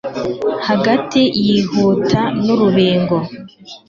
Hagati yihuta nurubingo